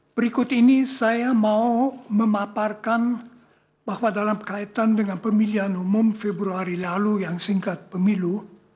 berikut ini saya mau memaparkan bahwa dalam kaitan dengan pemilihan umum februari lalu yang singkat pemilu